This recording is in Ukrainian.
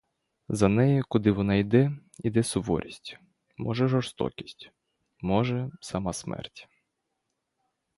За нею, куди вона йде, іде суворість, може, жорстокість, може, сама смерть.